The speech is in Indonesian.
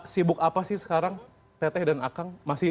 sibuk apa sih sekarang tetek dan akang